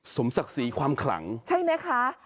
สมศักดิ์ศรีความขลังใช่ไหมคะ